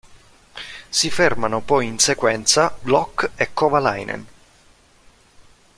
Si fermano poi in sequenza Glock e Kovalainen.